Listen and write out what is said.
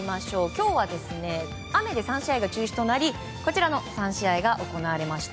今日は雨で３試合が中止となりこちらの３試合が行われました。